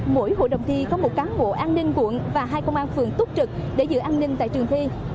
mỗi hội đồng thi có một cán bộ an ninh quận và hai công an phường túc trực để giữ an ninh tại trường thi